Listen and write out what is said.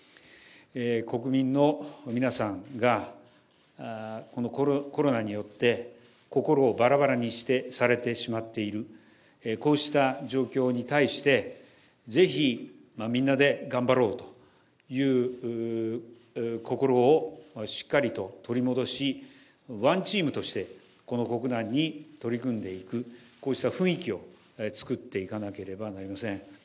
国民の皆さんが、このコロナによって心をばらばらにされてしまっている、こうした状況に対して、ぜひみんなで頑張ろうという心をしっかりと取り戻し、ワンチームとしてこの国難に取り組んでいく、こうした雰囲気を作っていかなければなりません。